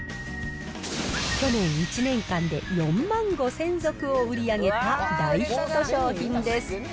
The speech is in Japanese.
去年１年間で４万５０００足を売り上げた大ヒット商品です。